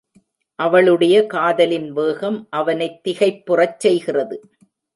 அவளுடைய காதலின் வேகம் அவனைத் திகைப்புறச் செய்கிறது.